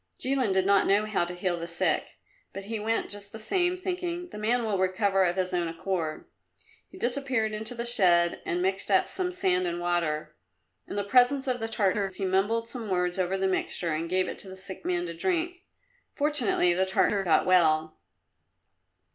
Jilin did not know how to heal the sick, but he went just the same thinking, "The man will recover of his own accord." He disappeared into the shed and mixed up some sand and water. In the presence of the Tartars he mumbled some words over the mixture, and gave it to the sick man to drink. Fortunately the Tartar got well.